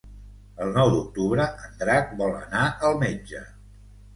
El nou d'octubre en Drac vol anar al metge.